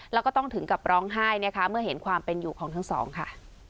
แล้วก็ต้องถึงกับร้องไห้นะคะเมื่อเห็นความเป็นอยู่ของทั้งสองค่ะ